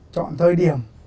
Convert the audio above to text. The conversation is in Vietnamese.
chọn thời điểm